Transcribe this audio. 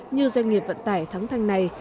như doanh nghiệp vận tải thắng thanh này